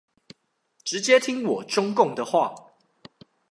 直接聽我中共的話